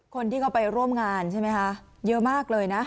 คนที่เขาไปร่วมงานใช่ไหมคะเยอะมากเลยนะ